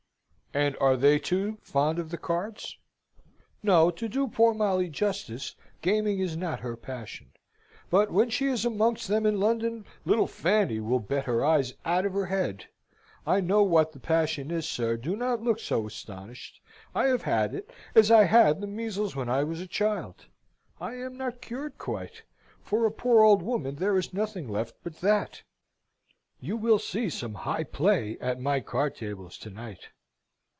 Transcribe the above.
"And are they, too, fond of the cards?" "No; to do poor Molly justice, gaming is not her passion: but when she is amongst them in London, little Fanny will bet her eyes out of her head. I know what the passion is, sir: do not look so astonished; I have had it, as I had the measles when I was a child. I am not cured quite. For a poor old woman there is nothing left but that. You will see some high play at my card tables to night.